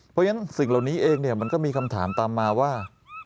เพราะฉะนั้นสิ่งเหล่านี้เองมันก็มีคำถามตามมาว่า